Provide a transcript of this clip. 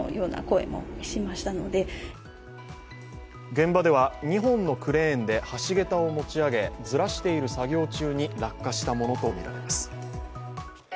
現場では２本のクレーンで橋桁を持ち上げずらしている作業中に落下したものとみられます。